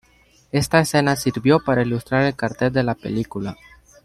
Esta escena sirvió para ilustrar el cartel de la película.